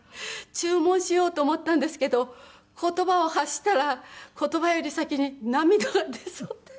注文しようと思ったんですけど言葉を発したら言葉より先に涙が出そうで。